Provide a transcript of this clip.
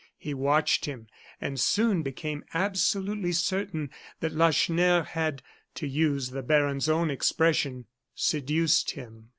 He watched him, and soon became absolutely certain that Lacheneur had, to use the baron's own expression, seduced him.